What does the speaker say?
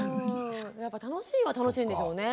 やっぱ楽しいは楽しいんでしょうね。